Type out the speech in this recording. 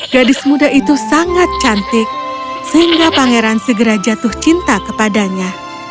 gadis muda itu sangat cantik sehingga pangeran segera jatuh cinta kepadanya